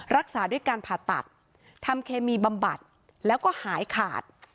รักษาด้วยการผ่าตัดทำเคมีบำบัดแล้วก็หายขาด